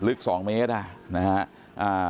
ลึก๒เมตรนะฮะ